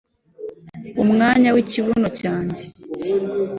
Umwanya wikibuno cyanjye